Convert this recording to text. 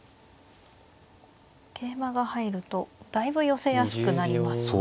桂馬が入るとだいぶ寄せやすくなりますね。